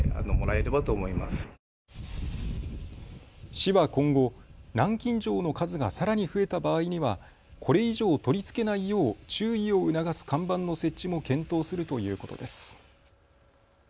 市は今後、南京錠の数がさらに増えた場合にはこれ以上取り付けないよう注意を促す看板の設置も検討するということです。